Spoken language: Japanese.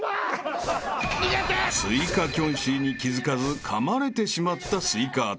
［追加キョンシーに気付かずかまれてしまったスイカ頭］